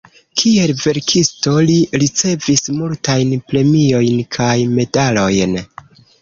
Kiel verkisto, li ricevis multajn premiojn kaj medalojn.